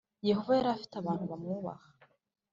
Yehova yari afite abantu bamwubaha